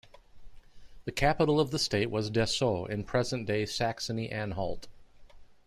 The capital of the state was Dessau in present-day Saxony-Anhalt.